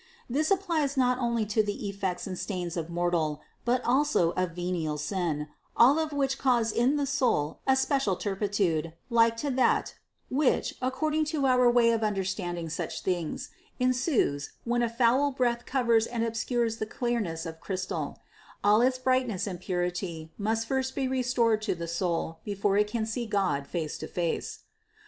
This applies not only to the effects and stains of mortal, but also of venial sin, all of which cause in the soul a special turpitude, like to that, which, according to our way of understanding such things, ensues, when a foul breath covers and obscures the clearness of crystal : all its brightness and purity must first be restored to the soul before it can see God face to face.